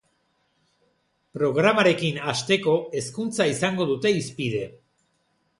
Programarekin hasteko, hezkuntza izango dute hizpide.